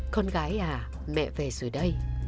con gái à mẹ về rồi đây